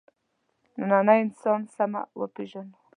نننی انسان سمه وپېژنو.